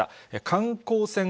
観光船